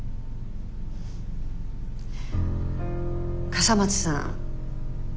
笠松さん。